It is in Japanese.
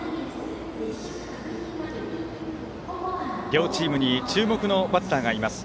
両チームに注目のバッターがいます。